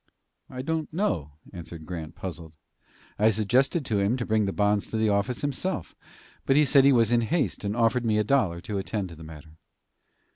"I don't know," answered Grant, puzzled. "I suggested to him to bring the bonds to the office himself, but he said he was in haste, and offered me a dollar to attend to the matter."